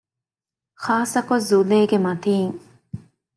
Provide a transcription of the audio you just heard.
ޚާއްސަކޮށް ޒުލޭގެ މަތީން